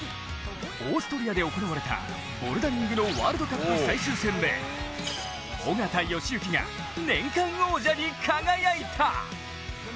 オーストリアで行われたボルダリングのワールドカップ最終戦で緒方良行が年間王者に輝いた。